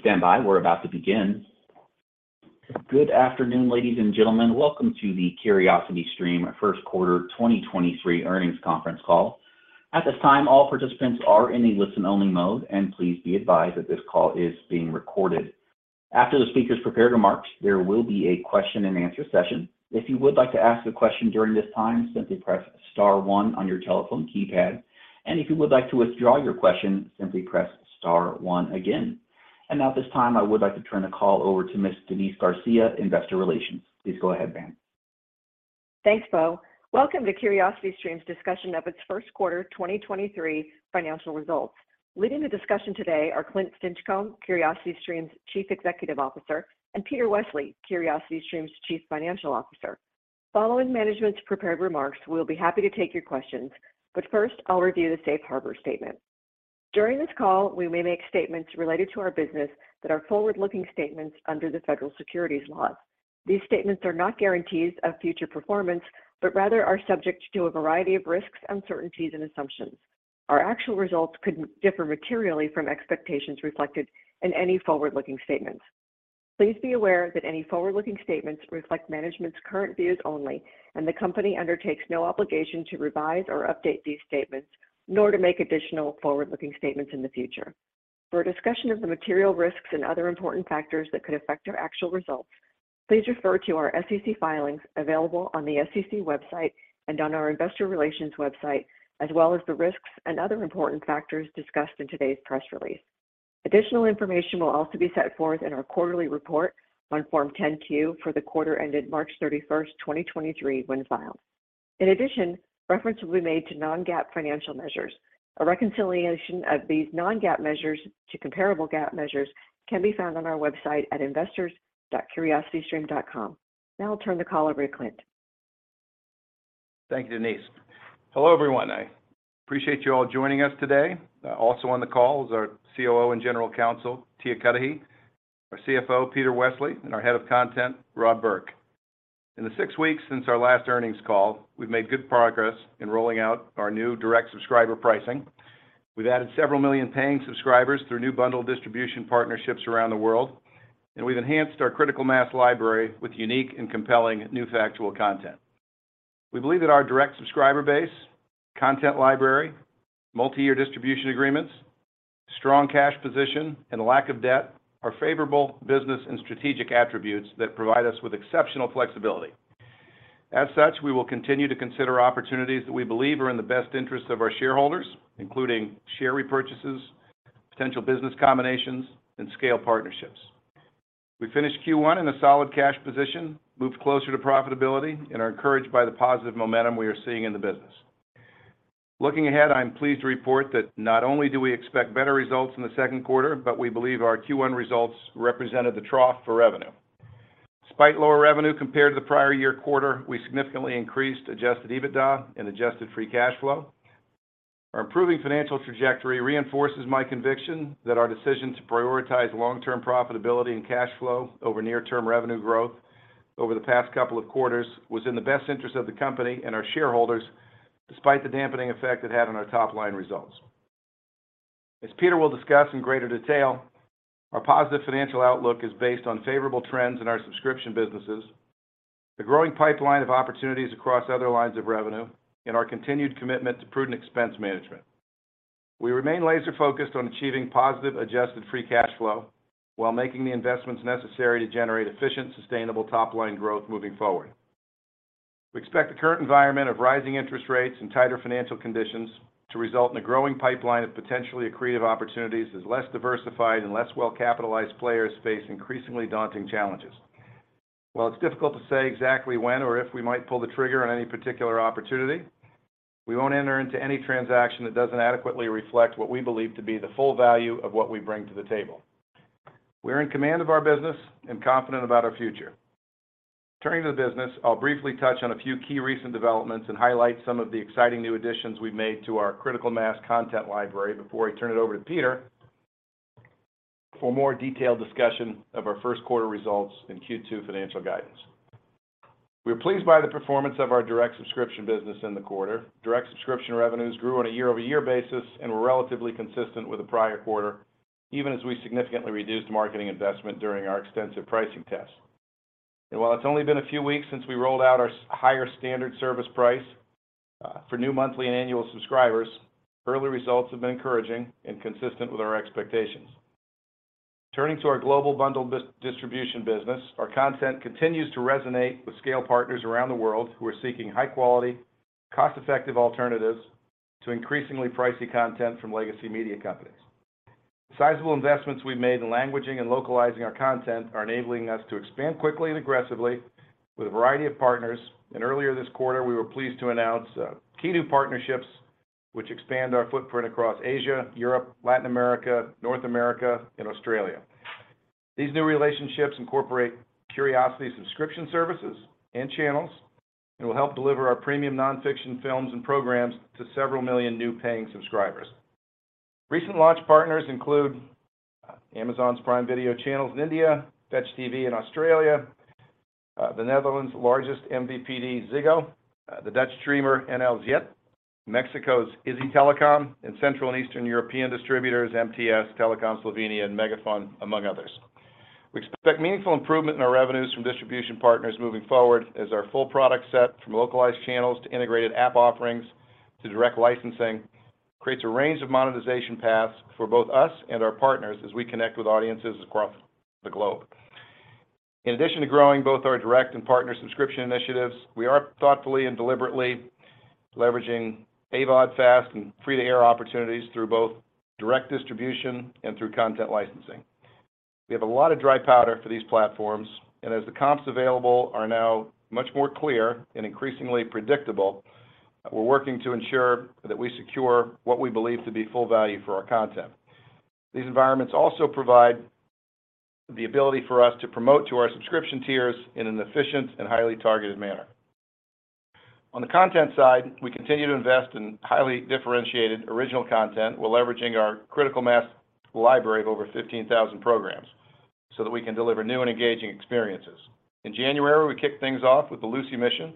Please stand by. We're about to begin. Good afternoon, ladies and gentlemen. Welcome to the CuriosityStream 1st quarter 2023 earnings conference call. At this time, all participants are in a listen-only mode. Please be advised that this call is being recorded. After the speakers' prepared remarks, there will be a question-and-answer session. If you would like to ask a question during this time, simply press star one on your telephone keypad. If you would like to withdraw your question, simply press star 1 again. Now, at this time, I would like to turn the call over to Ms. Denise Garcia, Investor Relations. Please go ahead, ma'am. Thanks, Bo. Welcome to CuriosityStream's discussion of its first quarter 2023 financial results. Leading the discussion today are Clint Stinchcomb, CuriosityStream's Chief Executive Officer, and Peter Westley, CuriosityStream's Chief Financial Officer. Following management's prepared remarks, we'll be happy to take your questions, but first, I'll review the safe harbor statement. During this call, we may make statements related to our business that are forward-looking statements under the federal securities laws. These statements are not guarantees of future performance, but rather are subject to a variety of risks, uncertainties, and assumptions. Our actual results could differ materially from expectations reflected in any forward-looking statements. Please be aware that any forward-looking statements reflect management's current views only, and the company undertakes no obligation to revise or update these statements, nor to make additional forward-looking statements in the future. For a discussion of the material risks and other important factors that could affect our actual results, please refer to our SEC filings available on the SEC website and on our investor relations website, as well as the risks and other important factors discussed in today's press release. Additional information will also be set forth in our quarterly report on Form 10-Q for the quarter ended March 31st, 2023 when filed. In addition, reference will be made to non-GAAP financial measures. A reconciliation of these non-GAAP measures to comparable GAAP measures can be found on our website at investors.curiositystream.com. Now I'll turn the call over to Clint. Thank you, Denise. Hello, everyone. I appreciate you all joining us today. Also on the call is our COO and General Counsel, Tia Cudahy, our CFO, Peter Westley, and our Head of Content, Rob Burk. In the six weeks since our last earnings call, we've made good progress in rolling out our new direct subscriber pricing. We've added several million paying subscribers through new bundle distribution partnerships around the world, and we've enhanced our Critical Mass library with unique and compelling new factual content. We believe that our direct subscriber base, content library, multi-year distribution agreements, strong cash position, and lack of debt are favorable business and strategic attributes that provide us with exceptional flexibility. As such, we will continue to consider opportunities that we believe are in the best interest of our shareholders, including share repurchases, potential business combinations, and scale partnerships. We finished Q1 in a solid cash position, moved closer to profitability and are encouraged by the positive momentum we are seeing in the business. Looking ahead, I am pleased to report that not only do we expect better results in the second quarter, but we believe our Q1 results represented the trough for revenue. Despite lower revenue compared to the prior year quarter, we significantly increased Adjusted EBITDA and adjusted free cash flow. Our improving financial trajectory reinforces my conviction that our decision to prioritize long-term profitability and cash flow over near-term revenue growth over the past couple of quarters was in the best interest of the company and our shareholders, despite the dampening effect it had on our top-line results. As Peter will discuss in greater detail, our positive financial outlook is based on favorable trends in our subscription businesses, the growing pipeline of opportunities across other lines of revenue, and our continued commitment to prudent expense management. We remain laser-focused on achieving positive adjusted free cash flow while making the investments necessary to generate efficient, sustainable top-line growth moving forward. We expect the current environment of rising interest rates and tighter financial conditions to result in a growing pipeline of potentially accretive opportunities as less diversified and less well-capitalized players face increasingly daunting challenges. While it's difficult to say exactly when or if we might pull the trigger on any particular opportunity, we won't enter into any transaction that doesn't adequately reflect what we believe to be the full value of what we bring to the table. We are in command of our business and confident about our futureh Turning to the business, I'll briefly touch on a few key recent developments and highlight some of the exciting new additions we've made to our Critical Mass content library before I turn it over to Peter for more detailed discussion of our first quarter results and Q2 financial guidance. We are pleased by the performance of our direct subscription business in the quarter. Direct subscription revenues grew on a year-over-year basis and were relatively consistent with the prior quarter, even as we significantly reduced marketing investment during our extensive pricing test. While it's only been a few weeks since we rolled out our higher standard service price for new monthly and annual subscribers, early results have been encouraging and consistent with our expectations. Turning to our global bundle distribution business, our content continues to resonate with scale partners around the world who are seeking high quality, cost-effective alternatives to increasingly pricey content from legacy media companies. Sizable investments we've made in languaging and localizing our content are enabling us to expand quickly and aggressively with a variety of partners. Earlier this quarter, we were pleased to announce key new partnerships which expand our footprint across Asia, Europe, Latin America, North America, and Australia. These new relationships incorporate Curiosity's subscription services and channels, and will help deliver our premium nonfiction films and programs to several million new paying subscribers. Recent launch partners include Amazon's Prime Video channels in India, Fetch TV in Australia. The Netherlands' largest MVPD, Ziggo, the Dutch streamer NLZIET, Mexico's Izzi Telecom, and Central and Eastern European distributors MTS Telecom Slovenia and MegaFon, among others. We expect meaningful improvement in our revenues from distribution partners moving forward as our full product set from localized channels to integrated app offerings to direct licensing creates a range of monetization paths for both us and our partners as we connect with audiences across the globe. In addition to growing both our direct and partner subscription initiatives, we are thoughtfully and deliberately leveraging AVOD, FAST, and free-to-air opportunities through both direct distribution and through content licensing. As the comps available are now much more clear and increasingly predictable, we're working to ensure that we secure what we believe to be full value for our content. These environments also provide the ability for us to promote to our subscription tiers in an efficient and highly targeted manner. On the content side, we continue to invest in highly differentiated original content while leveraging our Critical Mass library of over 15,000 programs so that we can deliver new and engaging experiences. In January, we kicked things off with The Lucy Mission,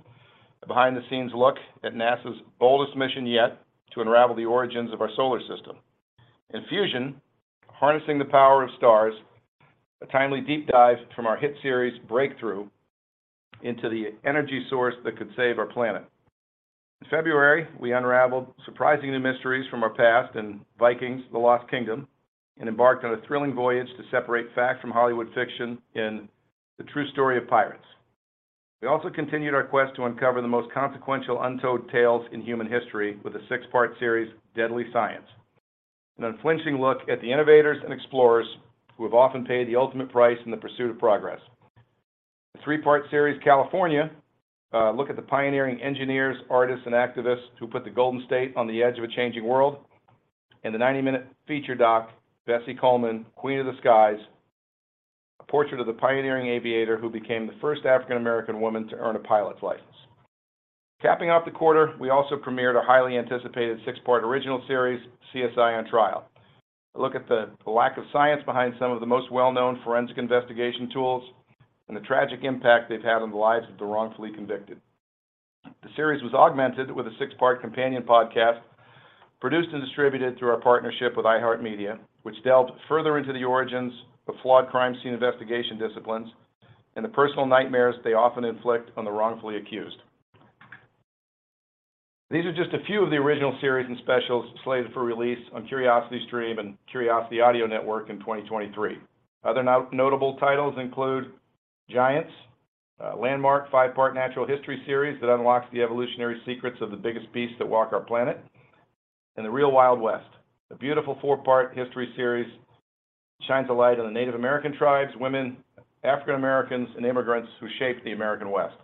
a behind-the-scenes look at NASA's boldest mission yet to unravel the origins of our solar system. In Fusion, harnessing the Power of Stars, a timely deep dive from our hit series Breakthrough into the energy source that could save our planet. In February, we unraveled surprising new mysteries from our past in Vikings: The Lost Kingdom, and embarked on a thrilling voyage to separate fact from Hollywood fiction in The True Story of Pirates. We also continued our quest to uncover the most consequential untold tales in human history with a six-part series, Deadly Science, an unflinching look at the innovators and explorers who have often paid the ultimate price in the pursuit of progress. The three-part series, California, look at the pioneering engineers, artists, and activists who put the Golden State on the edge of a changing world. In the 90-minute feature doc, Bessie Coleman: Queen of the Skies, a portrait of the pioneering aviator who became the first African American woman to earn a pilot's license. Capping off the quarter, we also premiered a highly anticipated six-part original series, CSI on Trial. A look at the lack of science behind some of the most well-known forensic investigation tools and the tragic impact they've had on the lives of the wrongfully convicted. The series was augmented with a six-part companion podcast produced and distributed through our partnership with iHeartMedia, which delved further into the origins of flawed crime scene investigation disciplines and the personal nightmares they often inflict on the wrongfully accused. These are just a few of the original series and specials slated for release on CuriosityStream and Curiosity Audio Network in 2023. Other notable titles include GIANTS, a landmark five-part natural history series that unlocks the evolutionary secrets of the biggest beasts that walk our planet. The Real Wild West, a beautiful four-part history series shines a light on the Native American tribes, women, African Americans, and immigrants who shaped the American West.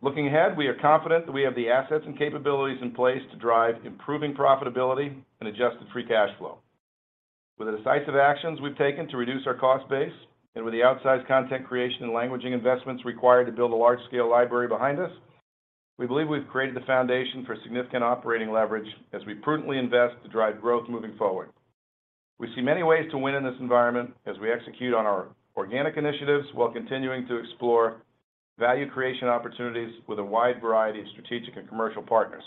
Looking ahead, we are confident that we have the assets and capabilities in place to drive improving profitability and adjusted free cash flow. With the decisive actions we've taken to reduce our cost base and with the outsized content creation and languaging investments required to build a large-scale library behind us, we believe we've created the foundation for significant operating leverage as we prudently invest to drive growth moving forward. We see many ways to win in this environment as we execute on our organic initiatives while continuing to explore value creation opportunities with a wide variety of strategic and commercial partners.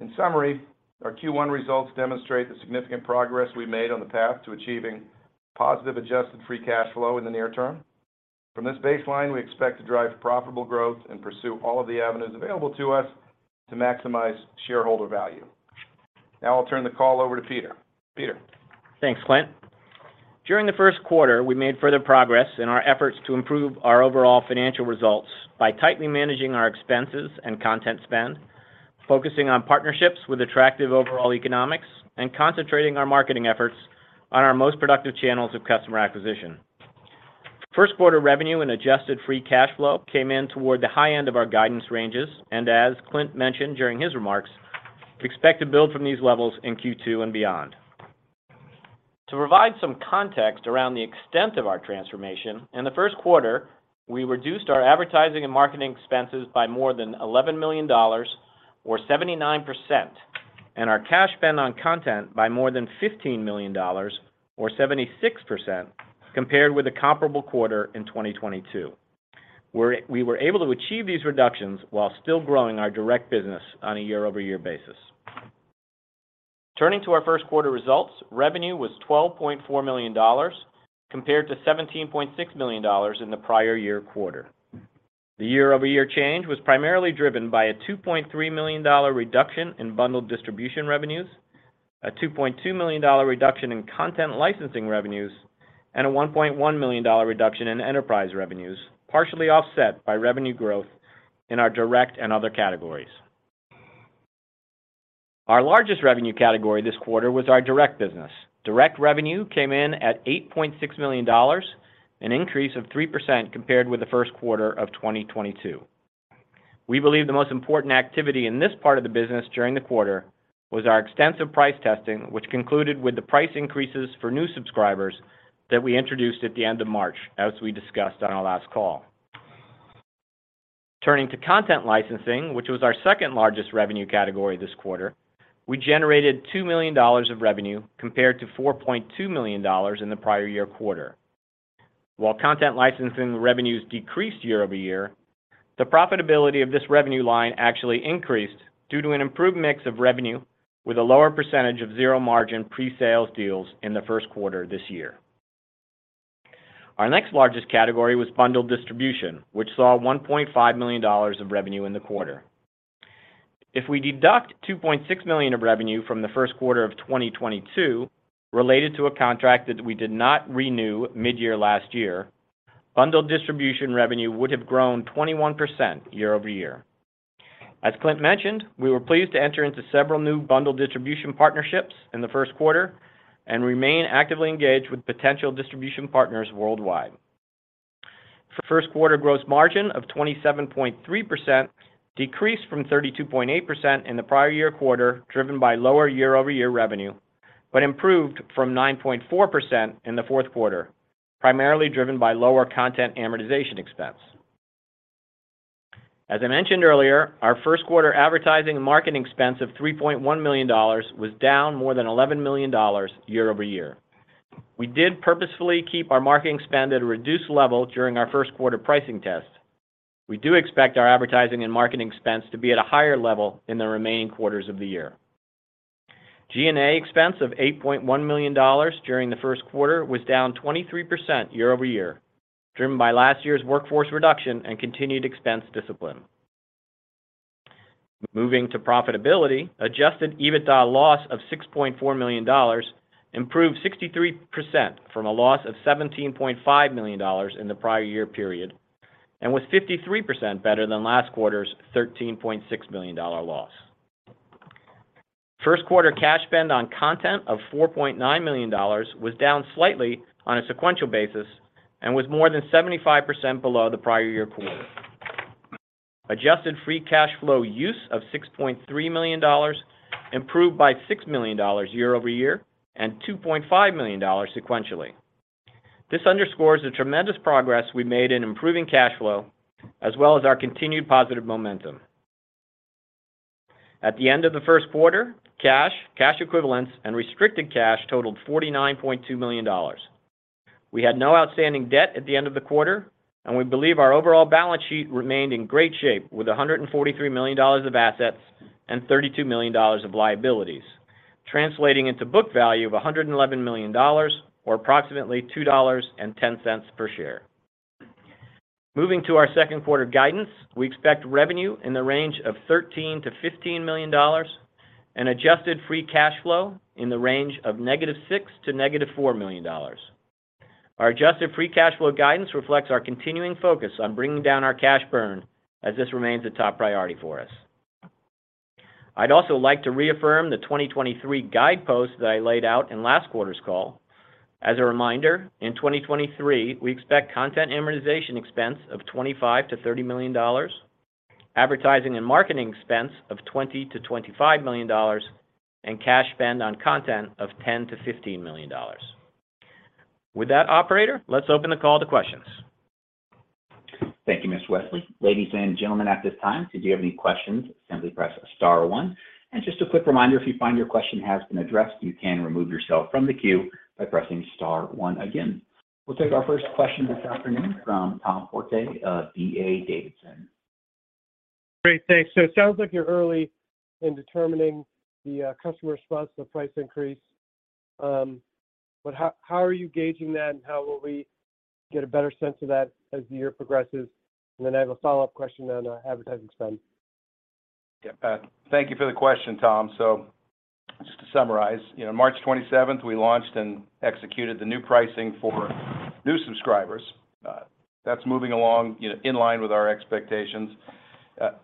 In summary, our Q1 results demonstrate the significant progress we made on the path to achieving positive adjusted free cash flow in the near term. From this baseline, we expect to drive profitable growth and pursue all of the avenues available to us to maximize shareholder value. Now I'll turn the call over to Peter. Peter. Thanks, Clint. During the first quarter, we made further progress in our efforts to improve our overall financial results by tightly managing our expenses and content spend, focusing on partnerships with attractive overall economics, and concentrating our marketing efforts on our most productive channels of customer acquisition. First quarter revenue and adjusted free cash flow came in toward the high end of our guidance ranges. As Clint mentioned during his remarks, we expect to build from these levels in Q2 and beyond. To provide some context around the extent of our transformation, in the first quarter, we reduced our advertising and marketing expenses by more than $11 million or 79%, and our cash spend on content by more than $15 million or 76% compared with the comparable quarter in 2022. We were able to achieve these reductions while still growing our direct business on a year-over-year basis. Turning to our first quarter results, revenue was $12.4 million compared to $17.6 million in the prior year quarter. The year-over-year change was primarily driven by a $2.3 million reduction in bundled distribution revenues, a $2.2 million reduction in content licensing revenues, and a $1.1 million reduction in enterprise revenues, partially offset by revenue growth in our direct and other categories. Our largest revenue category this quarter was our direct business. Direct revenue came in at $8.6 million, an increase of 3% compared with the first quarter of 2022. We believe the most important activity in this part of the business during the quarter was our extensive price testing, which concluded with the price increases for new subscribers that we introduced at the end of March, as we discussed on our last call. Content licensing, which was our second largest revenue category this quarter, we generated $2 million of revenue compared to $4.2 million in the prior year quarter. While content licensing revenues decreased year-over-year, the profitability of this revenue line actually increased due to an improved mix of revenue with a lower percentage of zero margin pre-sales deals in the first quarter this year. Our next largest category was bundled distribution, which saw $1.5 million of revenue in the quarter. If we deduct $2.6 million of revenue from the first quarter of 2022 related to a contract that we did not renew mid-year last year, bundled distribution revenue would have grown 21% year-over-year. As Clint mentioned, we were pleased to enter into several new bundle distribution partnerships in the first quarter and remain actively engaged with potential distribution partners worldwide. First quarter gross margin of 27.3% decreased from 32.8% in the prior year quarter, driven by lower year-over-year revenue, but improved from 9.4% in the fourth quarter, primarily driven by lower content amortization expense. As I mentioned earlier, our first quarter advertising marketing expense of $3.1 million was down more than $11 million year-over-year. We did purposefully keep our marketing spend at a reduced level during our first quarter pricing test. We do expect our advertising and marketing expense to be at a higher level in the remaining quarters of the year. G&A expense of $8.1 million during the first quarter was down 23% year-over-year, driven by last year's workforce reduction and continued expense discipline. Moving to profitability, Adjusted EBITDA loss of $6.4 million improved 63% from a loss of $17.5 million in the prior year period, and was 53% better than last quarter's $13.6 million loss. First quarter cash spend on content of $4.9 million was down slightly on a sequential basis and was more than 75% below the prior year quarter. Adjusted free cash flow use of $6.3 million improved by $6 million year-over-year and $2.5 million sequentially. This underscores the tremendous progress we made in improving cash flow, as well as our continued positive momentum. At the end of the first quarter, cash equivalents, and restricted cash totaled $49.2 million. We had no outstanding debt at the end of the quarter, and we believe our overall balance sheet remained in great shape with $143 million of assets and $32 million of liabilities, translating into book value of $111 million or approximately $2.10 per share. Moving to our second quarter guidance, we expect revenue in the range of $13 million-$15 million and adjusted free cash flow in the range of negative $6 million to negative $4 million. Our adjusted free cash flow guidance reflects our continuing focus on bringing down our cash burn as this remains a top priority for us. I'd also like to reaffirm the 2023 guideposts that I laid out in last quarter's call. As a reminder, in 2023, we expect content amortization expense of $25 million-$30 million, advertising and marketing expense of $20 million-$25 million, and cash spend on content of $10 million-$15 million. With that, Operator, let's open the call to questions. Thank you, Mr. Westley. Ladies and gentlemen, at this time, if you have any questions, simply press star one. Just a quick reminder, if you find your question has been addressed, you can remove yourself from the queue by pressing star one again. We'll take our first question this afternoon from Tom Forte of D.A. Davidson. Great. Thanks. It sounds like you're early in determining the customer response to the price increase. How are you gauging that? How will we get a better sense of that as the year progresses? I have a follow-up question on advertising spend. Thank you for the question, Tom. Just to summarize, you know, March27, we launched and executed the new pricing for new subscribers. That's moving along, you know, in line with our expectations.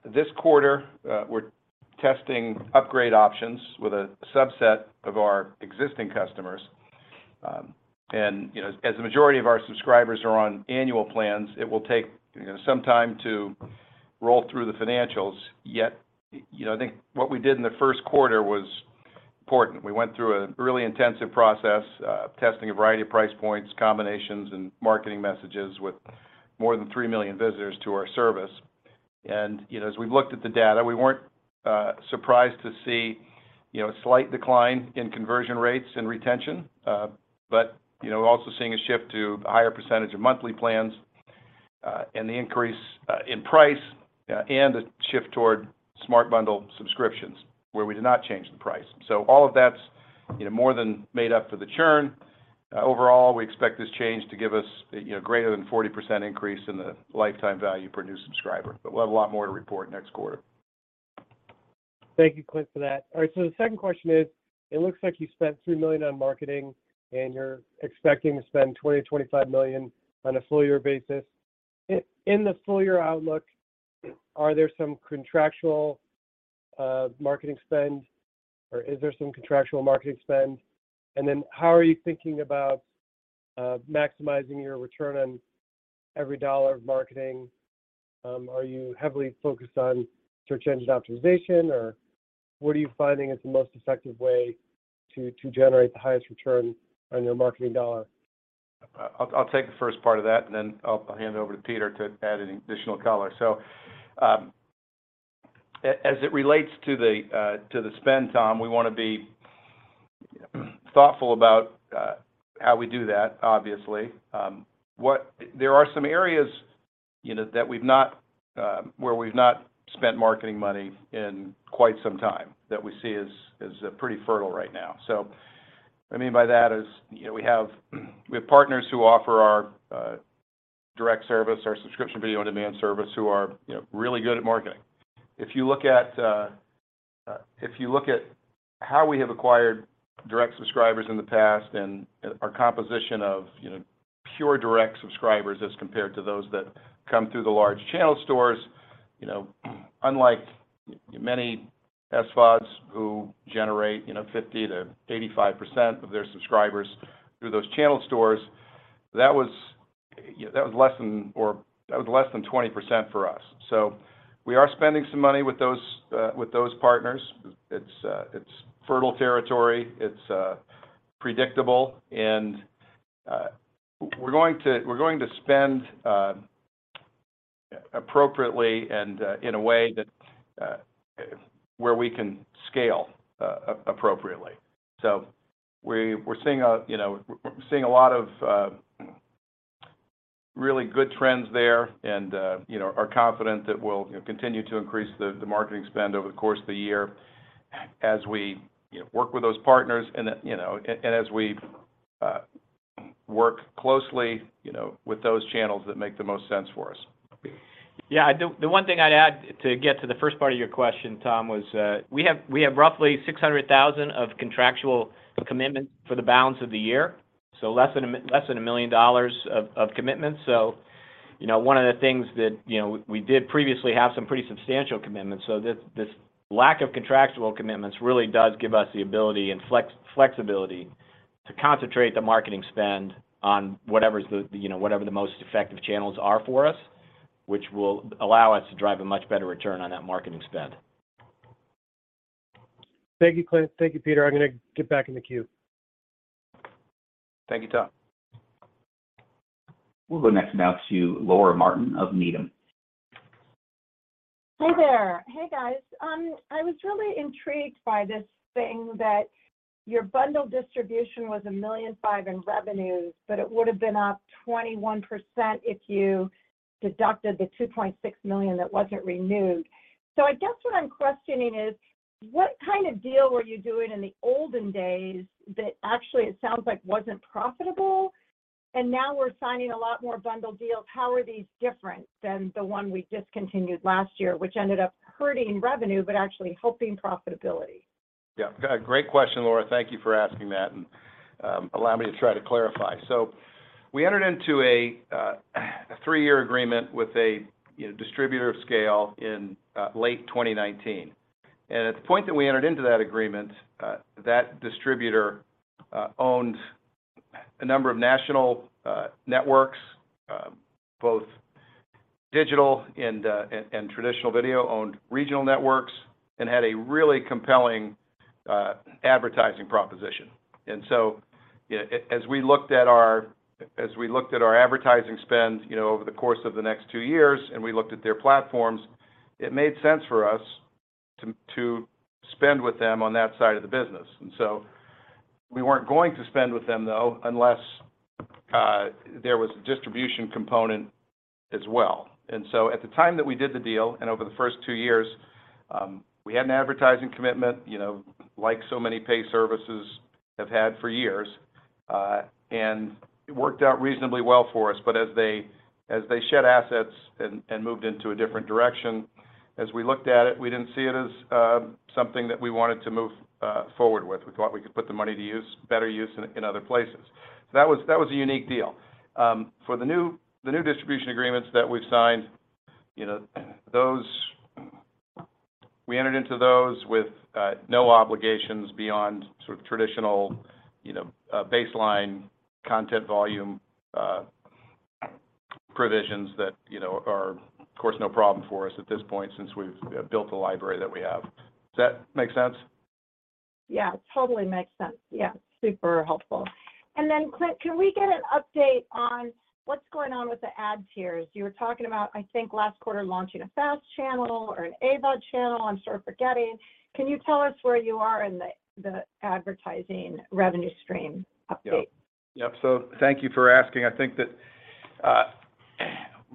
This quarter, we're testing upgrade options with a subset of our existing customers. You know, as the majority of our subscribers are on annual plans, it will take, you know, some time to roll through the financials. You know, I think what we did in the first quarter was important. We went through a really intensive process, testing a variety of price points, combinations, and marketing messages with more than 3 million visitors to our service. You know, as we've looked at the data, we weren't surprised to see, you know, a slight decline in conversion rates and retention, but, you know, also seeing a shift to a higher percentage of monthly plans, and the increase in price, and a shift toward Smart Bundle subscriptions where we did not change the price. All of that's, you know, more than made up for the churn. Overall, we expect this change to give us, you know, greater than 40% increase in the lifetime value per new subscriber. We'll have a lot more to report next quarter. Thank you, Clint, for that. All right, the second question is, it looks like you spent $3 million on marketing, and you're expecting to spend $20 million-$25 million on a full year basis. In the full year outlook, are there some contractual marketing spend, or is there some contractual marketing spend? How are you thinking about maximizing your return on every dollar of marketing? Are you heavily focused on search engine optimization, or what are you finding is the most effective way to generate the highest return on your marketing dollar? I'll take the first part of that, and then I'll hand over to Peter to add any additional color. As it relates to the spend, Tom, we wanna be thoughtful about how we do that, obviously. There are some areas, you know, that we've not where we've not spent marketing money in quite some time that we see as pretty fertile right now. What I mean by that is, you know, we have partners who offer our direct service, our subscription video-on-demand service, who are, you know, really good at marketing. If you look at how we have acquired direct subscribers in the past and our composition of, you know, pure direct subscribers as compared to those that come through the large channel stores, you know, unlike many SVODs who generate, you know, 50%-85% of their subscribers through those channel stores, that was, you know, less than 20% for us. We are spending some money with those, with those partners. It's, it's fertile territory. It's predictable. We're going to spend appropriately and in a way that where we can scale appropriately. We're seeing a lot of, you know, really good trends there and, you know, are confident that we'll, you know, continue to increase the marketing spend over the course of the year as we, you know, work with those partners and, you know, as we work closely, you know, with those channels that make the most sense for us. Yeah. The one thing I'd add to get to the first part of your question, Tom, was, we have roughly 600,000 of contractual commitments for the balance of the year, so less than $1 million of commitments. You know, one of the things that, you know, we did previously have some pretty substantial commitments, so this lack of contractual commitments really does give us the ability and flexibility to concentrate the marketing spend on whatever is the, you know, whatever the most effective channels are for us, which will allow us to drive a much better return on that marketing spend. Thank you, Clint. Thank you, Peter. I'm gonna get back in the queue. Thank you, Tom. We'll go next now to Laura Martin of Needham. Hey there. Hey, guys. I was really intrigued by this thing that your bundle distribution was $1.5 million in revenues, but it would have been up 21% if you deducted the $2.6 million that wasn't renewed. I guess what I'm questioning is, what kind of deal were you doing in the olden days that actually, it sounds like, wasn't profitable? Now we're signing a lot more bundle deals. How are these different than the one we discontinued last year, which ended up hurting revenue, but actually helping profitability? Great question, Laura. Thank you for asking that. Allow me to try to clarify. We entered into a three-year agreement with a, you know, distributor of scale in late 2019. At the point that we entered into that agreement, that distributor owned a number of national networks, both digital and traditional video, owned regional networks and had a really compelling advertising proposition. You know, as we looked at our advertising spend, you know, over the course of the next two years, and we looked at their platforms, it made sense for us to spend with them on that side of the business. We weren't going to spend with them, though, unless there was a distribution component as well. At the time that we did the deal and over the first two years, we had an advertising commitment, you know, like so many pay services have had for years, and it worked out reasonably well for us. As they shed assets and moved into a different direction, as we looked at it, we didn't see it as something that we wanted to move forward with. We thought we could put the money to use, better use in other places. That was a unique deal. For the new distribution agreements that we've signed, you know, We entered into those with no obligations beyond sort of traditional, you know, baseline content volume provisions that, you know, are, of course, no problem for us at this point since we've built the library that we have. Does that make sense? Yeah, it totally makes sense. Yeah. Super helpful. Then Clint, can we get an update on what's going on with the ad tiers? You were talking about, I think, last quarter launching a FAST channel or an AVOD channel. I'm sort of forgetting. Can you tell us where you are in the advertising revenue stream update? Yep. Thank you for asking. I think that,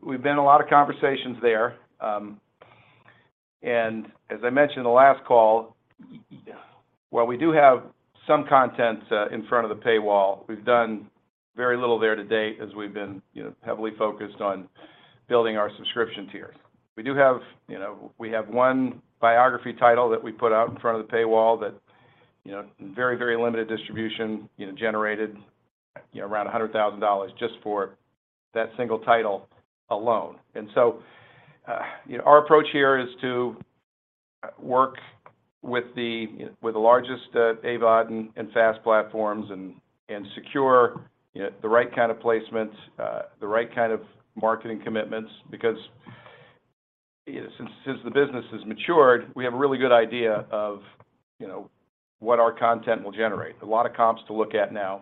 we've been a lot of conversations there. As I mentioned in the last call, while we do have some content, in front of the paywall, we've done very little there to date as we've been, you know, heavily focused on building our subscription tiers. We do have, you know, we have one biography title that we put out in front of the paywall that, you know, very, very limited distribution, you know, generated, you know, around $100,000 just for that single title alone. Our approach here is to work with the largest AVOD and FAST platforms and secure, you know, the right kind of placements, the right kind of marketing commitments. Since the business has matured, we have a really good idea of, you know, what our content will generate. A lot of comps to look at now.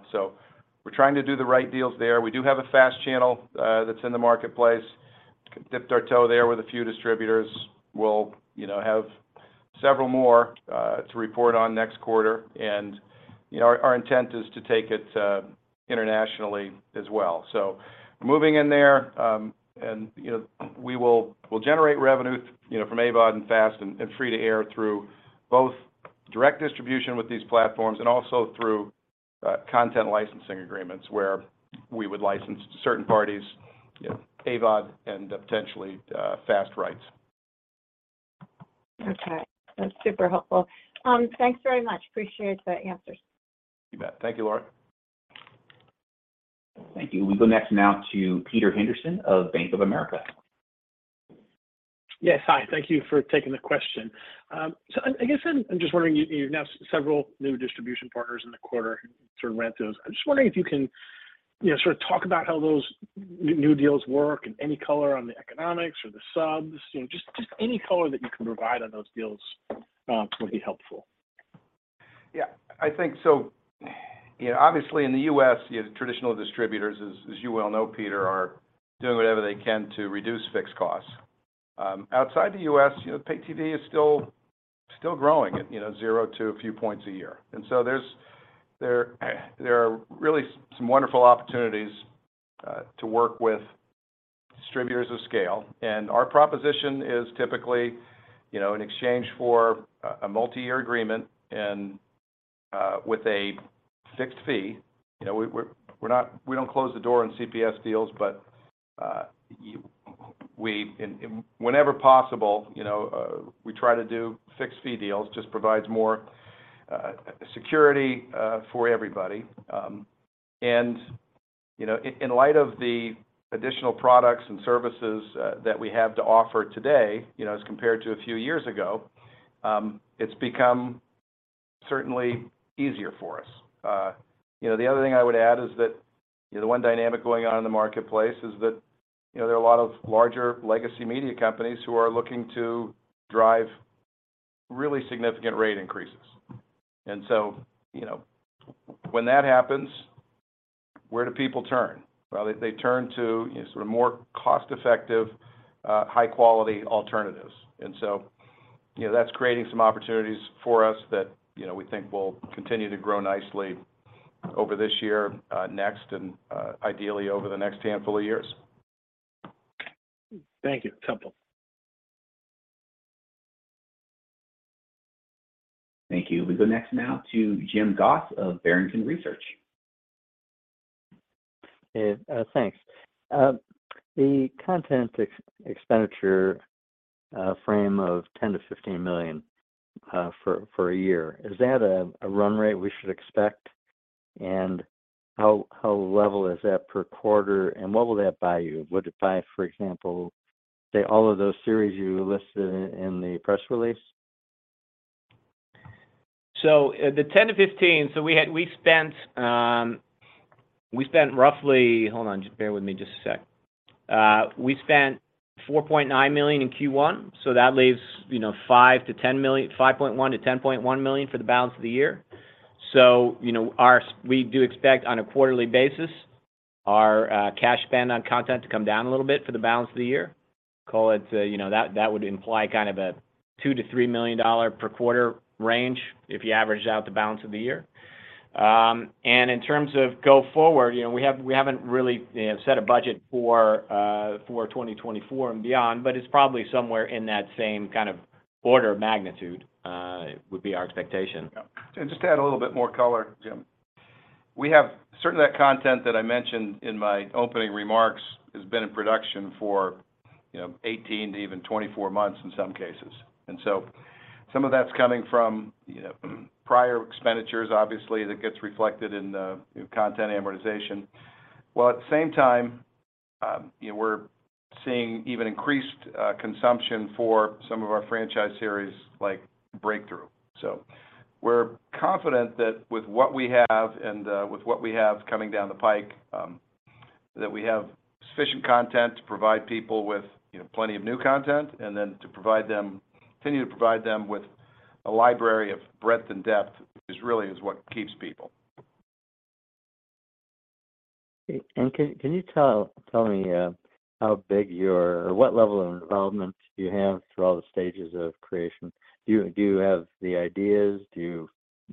We're trying to do the right deals there. We do have a FAST channel that's in the marketplace. Dipped our toe there with a few distributors. We'll, you know, have several more to report on next quarter. Our intent is to take it internationally as well. Moving in there, you know, we'll generate revenue, you know, from AVOD and FAST and free-to-air through both direct distribution with these platforms and also through content licensing agreements where we would license certain parties, you know, AVOD and potentially, FAST rights. That's super helpful. Thanks very much. Appreciate the answers. You bet. Thank you, Laura. Thank you. We go next now to Peter Henderson of Bank of America. Yes. Hi. Thank you for taking the question. I guess I'm just wondering, you have now several new distribution partners in the quarter sort of went through. I'm just wondering if you can, you know, sort of talk about how those new deals work and any color on the economics or the subs. You know, just any color that you can provide on those deals would be helpful. Yeah. I think so, you know, obviously in the U.S., you know, traditional distributors, as you well know, Peter, are doing whatever they can to reduce fixed costs. outside the U.S., you know, paid TV is still growing at, you know, zero to a few points a year. There are really some wonderful opportunities to work with distributors of scale. Our proposition is typically, you know, in exchange for a multi-year agreement and with a fixed fee. You know, we're not we don't close the door on CPS deals, but we and whenever possible, you know, we try to do fixed fee deals. Just provides more security for everybody. You know, in light of the additional products and services, that we have to offer today, you know, as compared to a few years ago, it's become certainly easier for us. You know, the other thing I would add is that, you know, the one dynamic going on in the marketplace is that, you know, there are a lot of larger legacy media companies who are looking to drive really significant rate increases. You know, when that happens, where do people turn? Well, they turn to, you know, sort of more cost-effective, high quality alternatives. You know, that's creating some opportunities for us that, you know, we think will continue to grow nicely over this year, next, and, ideally over the next handful of years. Thank you. It's helpful. Thank you. We go next now to Jim Goss of Barrington Research. Yeah. Thanks. The content expenditure, frame of $10 million-$15 million, for a year, is that a run rate we should expect? How level is that per quarter, and what will that buy you? Would it buy, for example, say all of those series you listed in the press release? The $10 million-$15 million, we spent. Hold on. Just bear with me just a sec. We spent $4.9 million in Q1, that leaves, you know, $5.1 million-$10.1 million for the balance of the year. You know, we do expect on a quarterly basis our cash spend on content to come down a little bit for the balance of the year. Call it, you know, that would imply kind of a $2 million-$3 million per quarter range if you average out the balance of the year. In terms of go forward, you know, we haven't really, you know, set a budget for 2024 and beyond, but it's probably somewhere in that same kind of order of magnitude would be our expectation. Yeah. To just add a little bit more color, Jim. We have Certain of that content that I mentioned in my opening remarks has been in production for, you know, 18 to even 24 months in some cases. Some of that's coming from, you know, prior expenditures obviously that gets reflected in the, you know, content amortization. While at the same time, you know, we're seeing even increased consumption for some of our franchise series like Breakthrough. We're confident that with what we have and with what we have coming down the pike, that we have sufficient content to provide people with, you know, plenty of new content and then to continue to provide them with a library of breadth and depth is really is what keeps people. Okay. Can you tell me, what level of involvement do you have through all the stages of creation? Do you have the ideas? Do you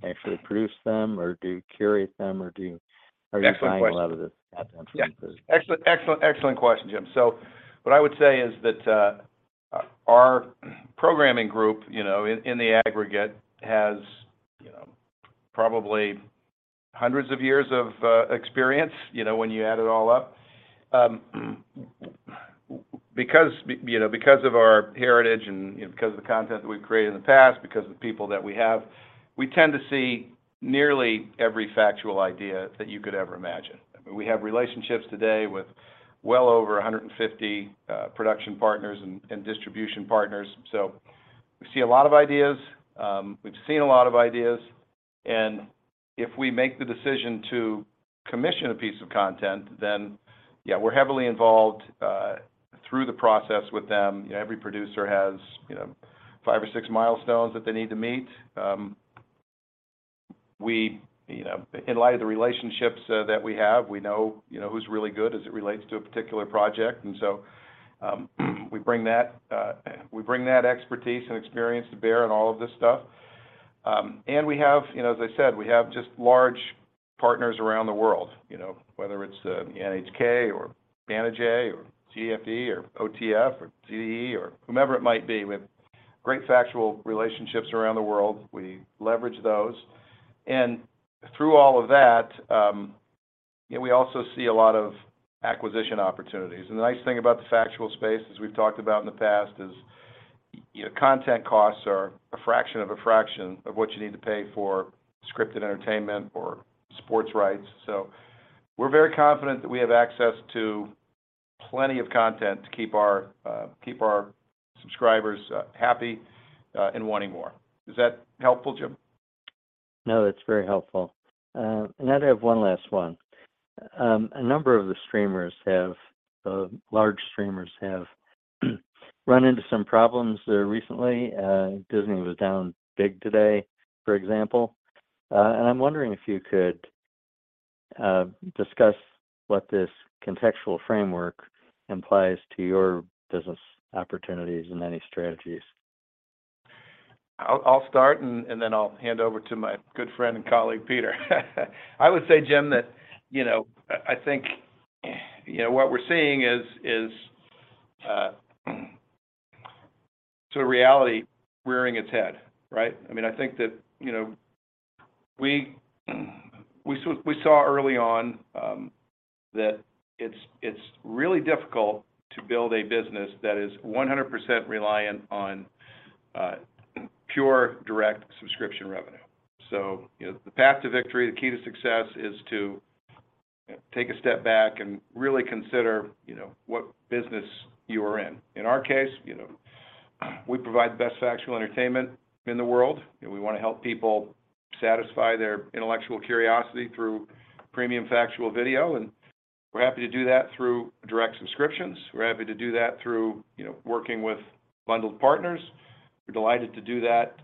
actually produce them, or do you curate them? Excellent question. Are you buying a lot of this content from producers? Yeah. Excellent, excellent question, Jim. What I would say is that, our programming group, you know, in the aggregate has, you know, probably hundreds of years of experience, you know, when you add it all up. Because, you know, because of our heritage and, you know, because of the content that we've created in the past, because of the people that we have, we tend to see nearly every factual idea that you could ever imagine. We have relationships today with well over 150 production partners and distribution partners. We see a lot of ideas, we've seen a lot of ideas, and if we make the decision to commission a piece of content, then yeah, we're heavily involved through the process with them. You know, every producer has, you know, 5 or 6 milestones that they need to meet. We, you know, in light of the relationships that we have, we know, you know, who's really good as it relates to a particular project. We bring that expertise and experience to bear in all of this stuff. We have, you know, as I said, we have just large partners around the world, you know, whether it's NHK or Banijay or GFE or OTF or GE or whomever it might be. We have great factual relationships around the world. We leverage those. Through all of that, you know, we also see a lot of acquisition opportunities. The nice thing about the factual space, as we've talked about in the past, is you know, content costs are a fraction of a fraction of what you need to pay for scripted entertainment or sports rights. We're very confident that we have access to plenty of content to keep our subscribers happy and wanting more. Is that helpful, Jim? No, that's very helpful. I have one last one. large streamers have run into some problems recently. Disney was down big today, for example. I'm wondering if you could discuss what this contextual framework implies to your business opportunities and any strategies. I'll start and then I'll hand over to my good friend and colleague, Peter. I would say, Jim, that, you know, I think, you know, what we're seeing is sort of reality rearing its head, right? I mean, I think that, you know, we saw early on that it's really difficult to build a business that is 100% reliant on pure direct subscription revenue. You know, the path to victory, the key to success is to take a step back and really consider, you know, what business you are in. In our case, you know, we provide the best factual entertainment in the world, and we wanna help people satisfy their intellectual curiosity through premium factual video. We're happy to do that through direct subscriptions. We're happy to do that through, you know, working with bundled partners. We're delighted to do that,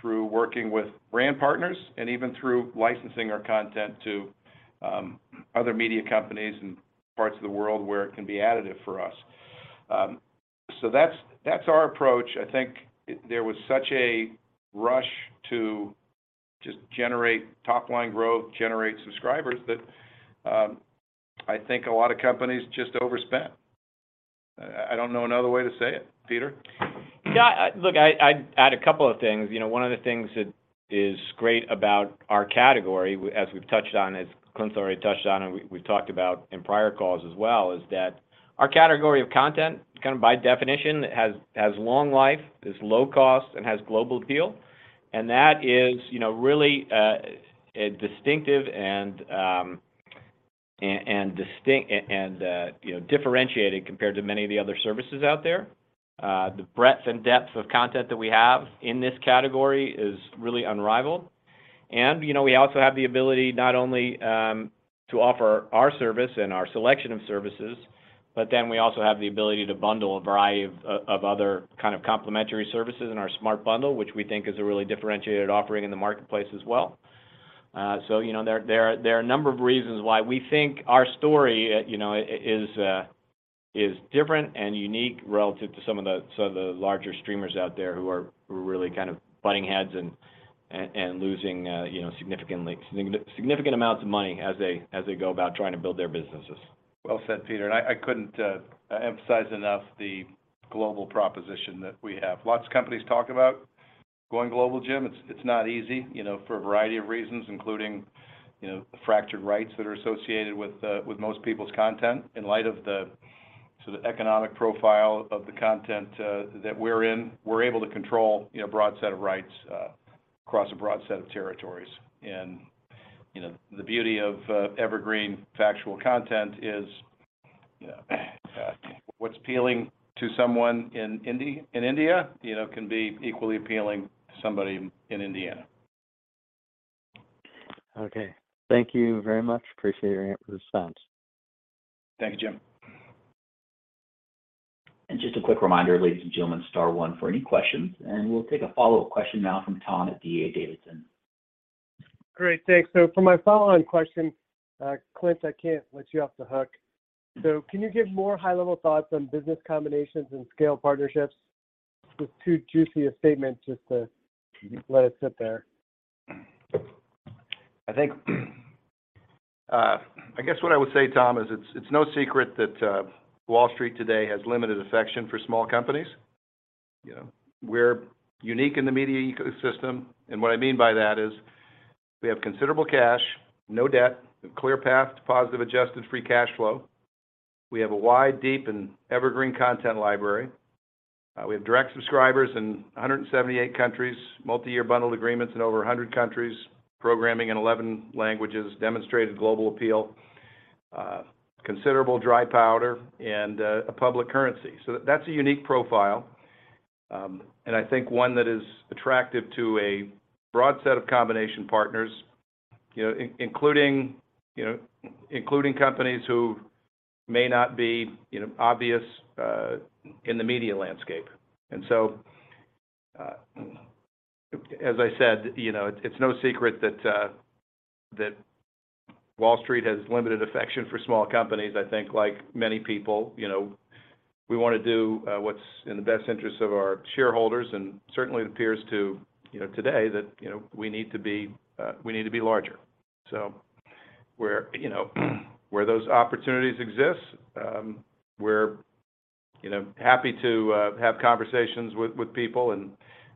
through working with brand partners and even through licensing our content to other media companies in parts of the world where it can be additive for us. That's our approach. I think there was such a rush to just generate top-line growth, generate subscribers that I think a lot of companies just overspent. I don't know another way to say it. Peter? Yeah. Look, I'd add a couple of things. You know, one of the things that is great about our category, as we've touched on, as Clint's already touched on and we've talked about in prior calls as well, is that our category of content, kind of by definition, has long life, is low cost, and has global appeal. That is, you know, really a distinctive and differentiated compared to many of the other services out there. The breadth and depth of content that we have in this category is really unrivaled. You know, we also have the ability not only to offer our service and our selection of services, we also have the ability to bundle a variety of other kind of complementary services in our Smart Bundle, which we think is a really differentiated offering in the marketplace as well. You know, there, there are a number of reasons why we think our story, you know, is different and unique relative to some of the, some of the larger streamers out there who are, who are really kind of butting heads and, and losing, you know, significant amounts of money as they, as they go about trying to build their businesses. Well said, Peter. I couldn't emphasize enough the global proposition that we have. Lots of companies talk about going global, Jim. It's, it's not easy, you know, for a variety of reasons, including, you know, fractured rights that are associated with most people's content. In light of the sort of economic profile of the content that we're in, we're able to control, you know, a broad set of rights across a broad set of territories. You know, the beauty of evergreen factual content is what's appealing to someone in India, you know, can be equally appealing to somebody in Indiana. Okay. Thank you very much. Appreciate your response. Thank you, Jim. Just a quick reminder, ladies and gentlemen, star one for any questions. We'll take a follow-up question now from Tom at D.A. Davidson. Great. Thanks. For my follow-on question, Clint, I can't let you off the hook. Can you give more high-level thoughts on business combinations and scale partnerships? It's too juicy a statement just to let it sit there. I think, I guess what I would say, Tom, is it's no secret that Wall Street today has limited affection for small companies. You know, we're unique in the media ecosystem, and what I mean by that is we have considerable cash, no debt, a clear path to positive adjusted free cash flow. We have a wide, deep, and evergreen content library. We have direct subscribers in 178 countries, multi-year bundled agreements in over 100 countries, programming in 11 languages, demonstrated global appeal, considerable dry powder, and a public currency. That's a unique profile, and I think one that is attractive to a broad set of combination partners, you know, including companies who may not be, you know, obvious in the media landscape. As I said, you know, it's no secret that Wall Street has limited affection for small companies. I think like many people, you know, we wanna do what's in the best interest of our shareholders, and certainly it appears to, you know, today that, you know, we need to be we need to be larger. Where, you know, where those opportunities exist, we're, you know, happy to have conversations with people.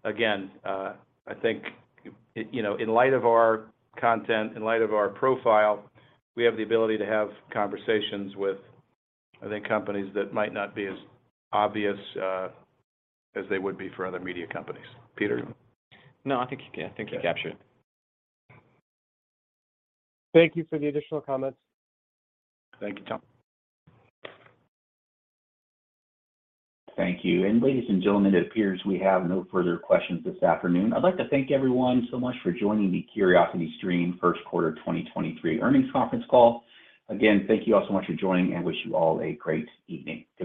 Again, I think, you know, in light of our content, in light of our profile, we have the ability to have conversations with, I think, companies that might not be as obvious as they would be for other media companies. Peter? No, I think, yeah, I think you captured it. Thank you for the additional comments. Thank you, Tom. Thank you. Ladies and gentlemen, it appears we have no further questions this afternoon. I'd like to thank everyone so much for joining the CuriosityStream first quarter 2023 earnings conference call. Again, thank you all so much for joining, and wish you all a great evening. Goodbye.